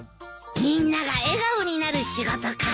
みんなが笑顔になる仕事か。